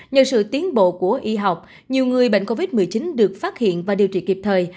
nhờ sự tiến bộ của y học nhiều người bệnh covid một mươi chín được phát hiện và điều trị kịp thời